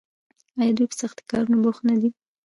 آیا دوی په سختو کارونو کې بوخت نه دي؟